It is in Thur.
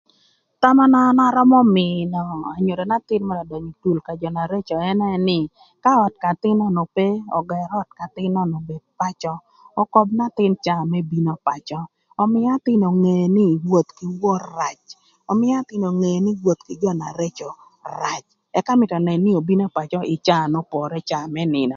Thama na an arömö mïö anyodo n'athïn mërë ödönyö ï dul ka jö na reco ënë nï ka öt k'athïn nön ope ögër öt k'athïn nön obed pacö okob nïnë athïn caa më bino pacö ömïï athïn onge nï woth kï wor rac ömïï athïn onge nï woth kï jö na reco rac ëka mïtö önën nï obino pacö ï caa n'opore caa më nïnö.